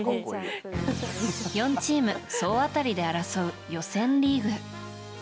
４チーム総当たりで争う予選リーグ。